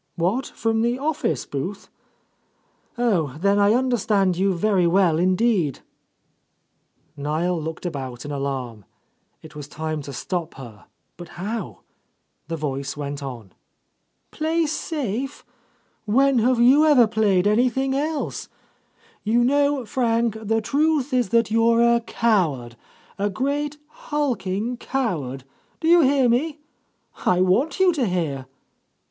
What, from the office booth? Oh, then I under stand you very well indeed 1" Niel looked about in alarm. It was time to stop her, but how? The voice went on. — 1 ^ 3 — A Lost Lady "Play safe I When have you ever played any thing else? You know, Frank, the truth is that you're a coward; a great, hulking coward. Do you hear me? I want you to hear